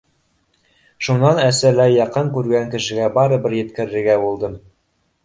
Шунан әсәләй яҡын күргән кешегә барыбер еткерергә булдым: